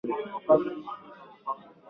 menya viazi lishe vizuri